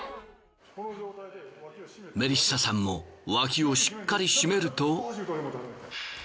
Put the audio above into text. メリッサさんも脇をしっかり締めると。